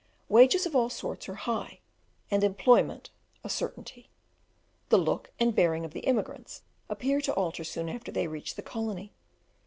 Wages of all sorts are high, and employment, a certainty. The look and bearing of the immigrants appear to alter soon after they reach the colony.